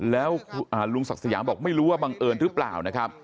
แล้วลุงศักดิ์สยามบอกไม่รู้ว่าบังเอิญหรือเปล่านะครับ